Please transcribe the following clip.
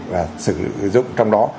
và sử dụng trong đó